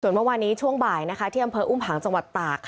เมื่อวานี้ช่วงบ่ายที่อำเภออุ้มผังจังหวัดตาก